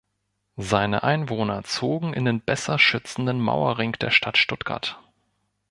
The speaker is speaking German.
Seine Einwohner zogen in den besser schützenden Mauerring der Stadt Stuttgart.